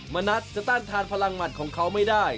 มณัฐจะต้านทานพลังหมัดของเขาไม่ได้